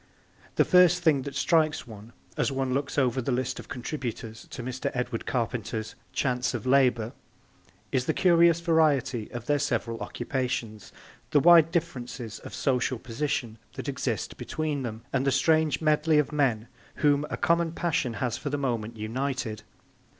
The first thing that strikes one, as one looks over the list of contributors to Mr. Edward Carpenter's Chants of Labour, is the curious variety of their several occupations, the wide differences of social position that exist between them, and the strange medley of men whom a common passion has for the moment united.